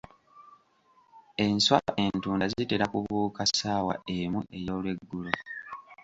Enswa entunda zitera kubuuka ssaawa emu ey'olweggulo.